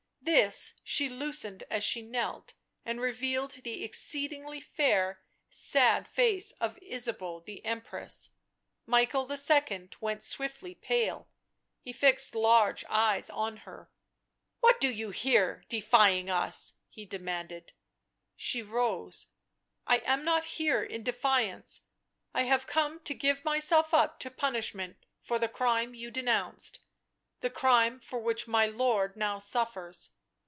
This she loosened as she knelt, and revealed the exceedingly fair, sad face of Ysabeau the Empress. Michael II. went swiftly pale, he fixed large wide eyes on her. " What do you here, defying us?" he demanded. She rose. " I am not here in defiance. I have come to give myself up to punishment for the crime you denounced — the crime for which my lord now suffers.